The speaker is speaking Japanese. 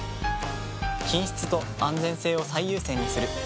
品質と安全性を最優先にする。